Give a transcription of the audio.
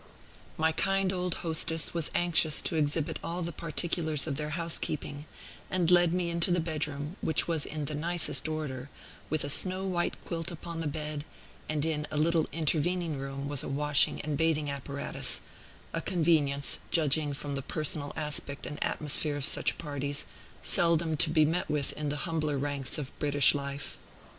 My kind old hostess was anxious to exhibit all the particulars of their housekeeping, and led me into the bedroom, which was in the nicest order, with a snow white quilt upon the bed; and in a little intervening room was a washing and bathing apparatus; a convenience (judging from the personal aspect and atmosphere of such parties) seldom to be met with in the humbler ranks of British life.